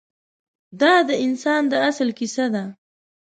دا د انسان د اصل کیسه ده.